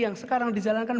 yang sekarang dijalankan